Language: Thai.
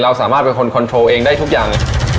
สามารถเป็นคนคอนโทรเองได้ทุกอย่าง